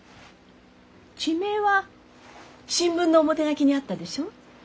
地名は新聞の表書きにあったでしょ？